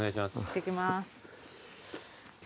行ってきます。